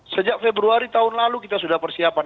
sejak februari tahun lalu kita sudah persiapan